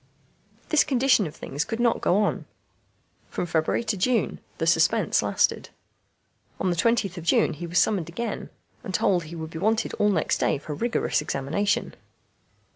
This condition of things could not go on. From February to June the suspense lasted. On the 20th of June he was summoned again, and told he would be wanted all next day for a rigorous examination.